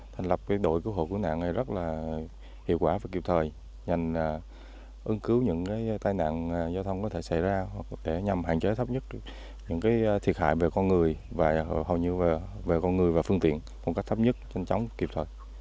thành lập đội cứu hộ cứu nạn này rất là hiệu quả và kịp thời nhằm ứng cứu những tai nạn giao thông có thể xảy ra nhằm hạn chế thấp nhất những thiệt hại về con người và hầu như là về con người và phương tiện một cách thấp nhất nhanh chóng kịp thời